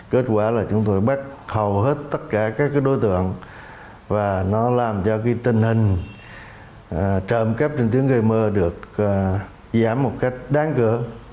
kết quả là chúng tôi bắt hầu hết tất cả các cái đối tượng và nó làm cho cái tình hình trộm cắp trình tuyến gây mơ được giảm một cách đáng cỡ